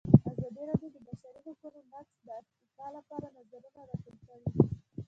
ازادي راډیو د د بشري حقونو نقض د ارتقا لپاره نظرونه راټول کړي.